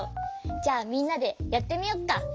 じゃあみんなでやってみよっか。